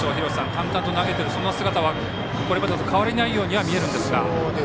淡々と投げているそんな姿は、これまでと変わりないように見えるんですが。